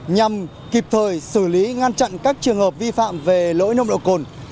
nhằm kịp thời xử lý ngăn chặn các trường hợp vi phạm về lỗi nồng độ cồn